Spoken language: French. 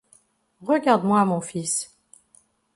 Regarde-moi, mon fils.